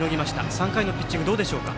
３回のピッチングどうでしょうか。